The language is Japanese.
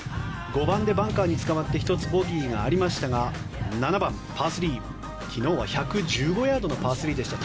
５番でバンカーにつかまって１つボギーがありましたが７番、パー３、昨日は１１５ヤードのパー３でした。